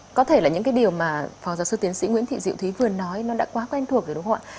có thể là những cái điều mà phó giáo sư tiến sĩ nguyễn thị diệu thúy vừa nói nó đã quá quen thuộc rồi đúng không ạ